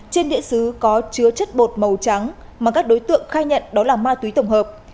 trên địa xứ có chứa chất bột màu trắng mà các đối tượng khai nhận đó là ma túy tổng hợp